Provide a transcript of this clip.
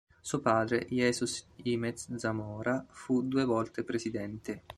Suo padre, Jesús Jiménez Zamora, fu due volte Presidente.